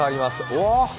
うわ